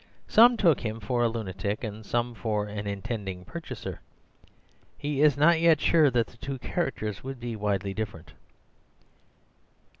Some took him for a lunatic and some for an intending purchaser. He is not yet sure that the two characters would be widely different.